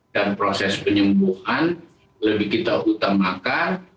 dan proses penyembuhan lebih kita utamakan